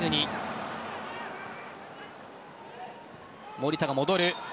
守田が戻る。